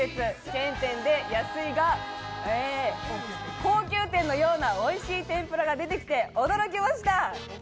チェーン店で安いが高級店のようなおいしい天ぷらが出てきて驚きました。